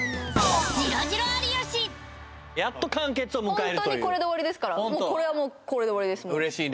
やっと完結を迎えるというホントにこれで終わりですからこれはもうこれで終わりです嬉しいね